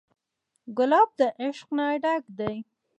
ګلاب د عشق نه ډک دی.